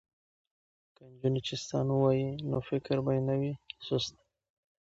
که نجونې چیستان ووايي نو فکر به نه وي سست.